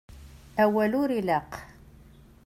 Awal ur ilaq.